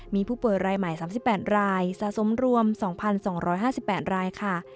มีผู้ป่วยรายใหม่๓๘รายสะสมรวม๒๒๕๘รายค่ะ